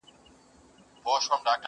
فکر اوچت غواړمه قد خم راکه،